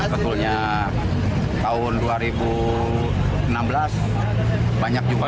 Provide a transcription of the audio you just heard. sebetulnya tahun dua ribu enam belas banyak juga